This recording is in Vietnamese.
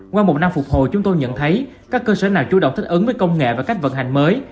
qua một năm phục hồi chúng tôi nhận thấy các cơ sở nào chủ động thích ứng với công nghệ và cách vận hành mới